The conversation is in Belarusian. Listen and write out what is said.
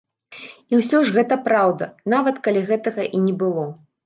І ўсё ж гэта праўда, нават калі гэтага й не было.